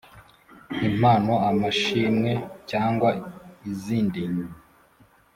Impano amashimwe cyangwa izindi